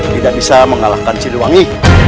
tidak bisa mengalahkan ciliwangi